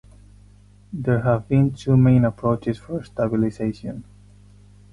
There have been two main approaches for stabilization.